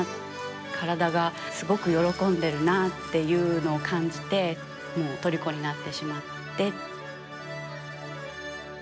体がすごく喜んでるなっていうのを感じてもう虜になってしまって。